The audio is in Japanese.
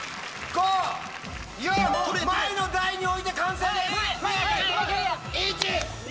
前の台に置いて完成です！